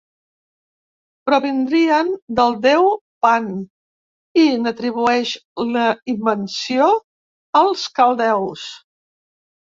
Provindrien del déu Pan!— i n'atribueix la invenció als caldeus.